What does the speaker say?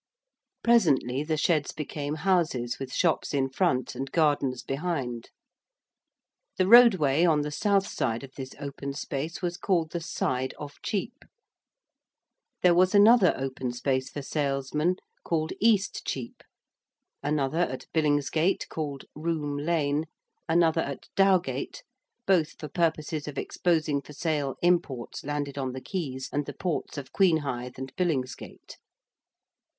Presently the sheds became houses with shops in front and gardens behind. The roadway on the south side of this open space was called the Side of Chepe. There was another open space for salesmen called East Chepe, another at Billingsgate, called Roome Lane, another at Dowgate both for purposes of exposing for sale imports landed on the Quays and the ports of Queenhithe and Billingsgate.